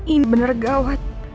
ini bener gawat